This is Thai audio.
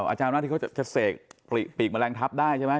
อาจารย์ว่าที่เขาจะเสกปีกแมลงทับได้ใช่ไหม